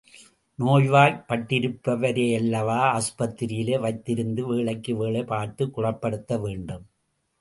நோய்வாய்ப்பட்டிருப்பவரையல்லவா ஆஸ்பத்திரியிலே வைத்திருந்து வேளைக்கு வேளை பார்த்துக் குணப்படுத்த வேண்டும்.